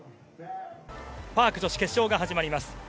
パーク女子決勝が始まります。